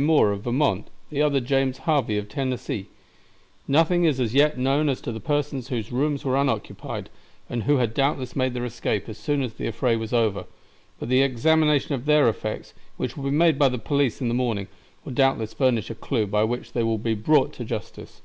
Moore of Vermont, the other James Harvey of Tennessee. Nothing is as yet known as to the persons whose rooms were unoccupied, and who had doubtless made their escape as soon as the affray was over; but the examination of their effects, which will be made by the police in the morning, will doubtless furnish a clew by which they will be brought to justice."